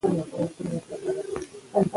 افغانستان له هلمند سیند ډک دی.